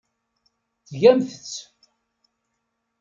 Tgamt-tt.